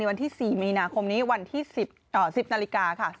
วันที่๔มีนาคมนี้วันที่๑๐นาฬิกาค่ะ